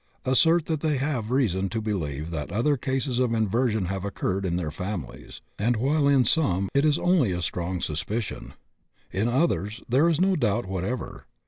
assert that they have reason to believe that other cases of inversion have occurred in their families, and, while in some it is only a strong suspicion, in others there is no doubt whatever.